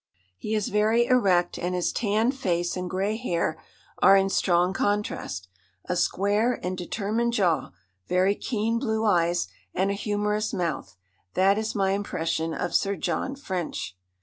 He is very erect, and his tanned face and grey hair are in strong contrast. A square and determined jaw, very keen blue eyes and a humorous mouth that is my impression of Sir John French.